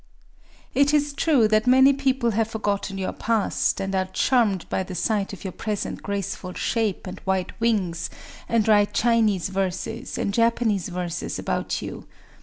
"It is true that many people have forgotten your past, and are charmed by the sight of your present graceful shape and white wings, and write Chinese verses and Japanese verses about you.